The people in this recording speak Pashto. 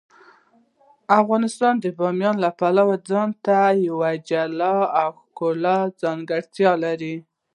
افغانستان د بامیان د پلوه ځانته یوه جلا او ښکلې ځانګړتیا لري.